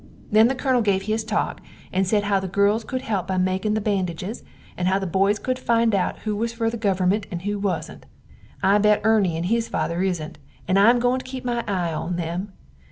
Then the kernel give his talk and sed how the girls cood help by making the bandiges and how the boys cood find out who was fer the guvernment and who wasnt. I bet Erny and his father isnt, and I am going to keep my eye on them.